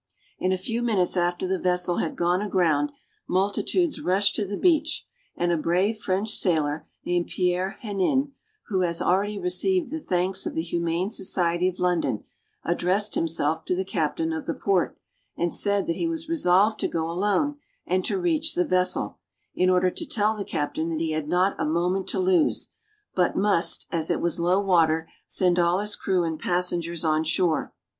In a few minutes after the vessel had gone aground, multitudes rushed to the beach, and a brave French sailor, named Pierre Henin, who has already received the thanks of the Humane Society of London, addressed himself to the captain of the port, and said that he was resolved to go alone, and to reach the vessel, in order to tell the captain that he had not a moment to lose, but must, as it was low water, send all his crew and passengers on shore.